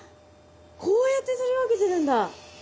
こうやって取り分けてるんだ。